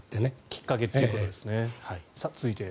きっかけということですねでは、続いて。